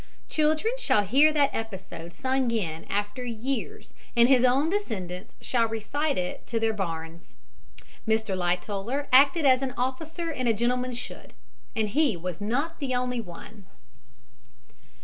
Children shall hear that episode sung in after years and his own descendants shall recite it to their bairns. Mr. Lightoller acted as an officer and gentleman should, and he was not the only one.